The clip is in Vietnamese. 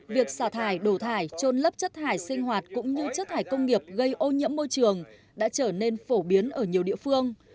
việc xả thải đổ thải trôn lấp chất thải sinh hoạt cũng như chất thải công nghiệp gây ô nhiễm môi trường đã trở nên phổ biến ở nhiều địa phương